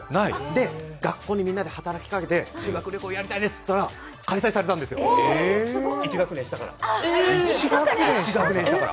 で、学校にみんなで働きかけて、修学旅行やりたいですとお願いしたら実現したんです、１学年下から。